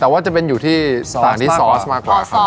แต่ว่าจะเป็นอยู่ที่สานิซอสมากกว่าครับ